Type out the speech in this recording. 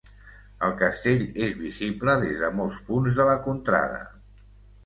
El castell és visible des de molts punts de la contrada.